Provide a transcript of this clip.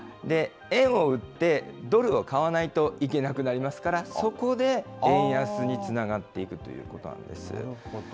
円を売って、ドルを買わないといけなくなりますから、そこで円安につながっていくということなんです。